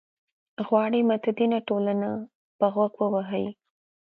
غواړي متدینه ټولنه پر غوږ ووهي.